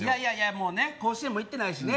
もうね甲子園も行ってないしね